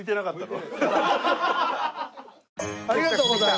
ありがとうございます。